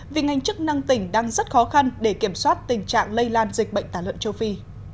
vì ngành chức năng tỉnh đang rất khó khăn để kiểm soát tình trạng lây lan dịch bệnh tả lợn châu phi